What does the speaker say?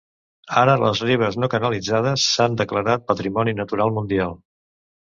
Ara les ribes no canalitzades s'han declarat patrimoni natural mundial.